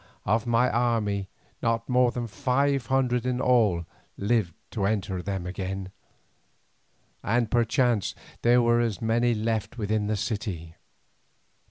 Of my army not more than five hundred in all lived to enter them again, and perchance there were as many left within the city.